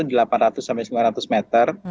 sampai sembilan ratus meter